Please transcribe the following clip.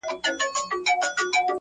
نه په حورو پسي ورک به ماشومان سي٫